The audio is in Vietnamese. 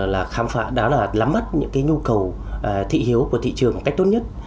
là khám phá đó là lắm bắt những cái nhu cầu thị hiếu của thị trường một cách tốt nhất